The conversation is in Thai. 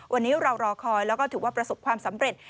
วันนี้เรารอคอยแล้วก็ถือว่าประสบความสำเร็จ